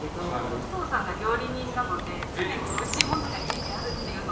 お父さんが料理人なので常においしいものが家にあるっていうのも。